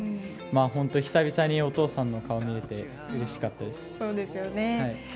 久々にお父さんの顔が見れてうれしかったです。